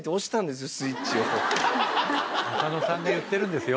浅野さんが言ってるんですよ。